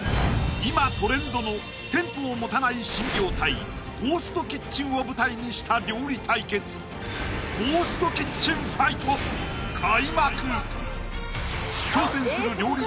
今トレンドの店舗を持たない新業態ゴーストキッチンを舞台にした料理対決ゴーストキッチンファイト開幕挑戦する料理